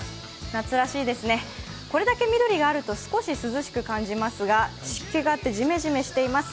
夏らしいですね、これだけ緑があると少し涼しく感じますが湿気があってジメジメしています。